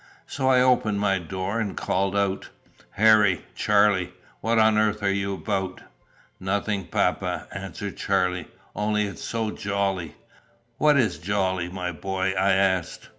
So I opened my door and called out "Harry! Charlie! What on earth are you about?" "Nothing, papa," answered Charlie. "Only it's so jolly!" "What is jolly, my boy?" I asked.